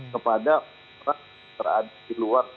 kepada orang terhadap di luar